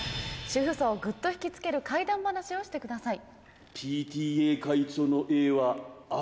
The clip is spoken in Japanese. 「主婦層をグッと惹きつける怪談話をしてください」。